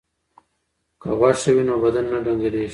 که غوښه وي نو بدن نه ډنګریږي.